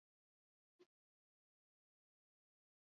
Kasu askotan, beltzaran egoteko beharra urte osoan zehar luzatzen da.